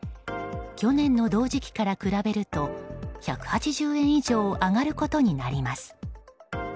去年の同時期から比べると１８０円以上上がることになります。